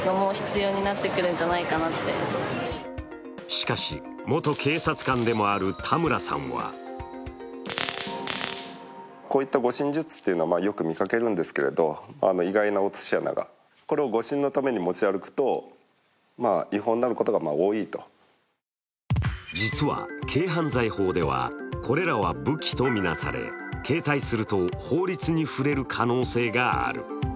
しかし、元警察官でもある田村さんは実は軽犯罪法ではこれらは武器と見なされ、携帯すると法律に触れる可能性がある。